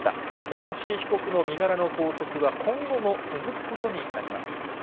ガーシー被告の身柄の拘束は今後も続くことになります。